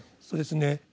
そうですね。